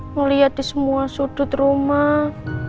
melihat di semua sudut rumah